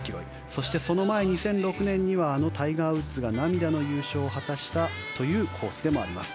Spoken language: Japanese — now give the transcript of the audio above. そしてその前、２００６年にはあのタイガー・ウッズが涙の優勝を果たしたというコースでもあります。